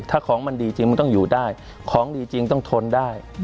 ถ้าของมันดีจริงมันต้องอยู่ได้ของดีจริงต้องทนได้